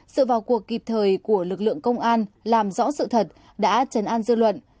sự vào cuộc kịp thời của lực lượng công an làm rõ sự thật đã chấn an dư luận